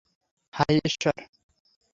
হায়, ঈশ্বর।